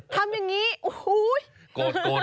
ทำอย่างนี้โอ้โห